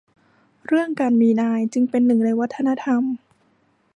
เรื่องการมีนาย จึงเป็นหนึ่งในวัฒนธรรม